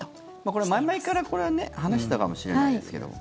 これは前々から、これはね話してたかもしれないですけど。